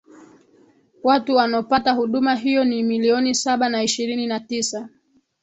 watu wanopata huduma hiyo ni milioni saba na ishirini na tisa